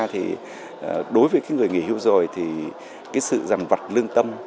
thì đối với cái người nghỉ hưu rồi thì cái sự rầm vặt lương tâm